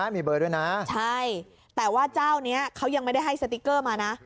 มีเบอร์ด้วยนะใช่แต่ว่าเจ้านี้เขายังไม่ได้ให้สติ๊กเกอร์มานะ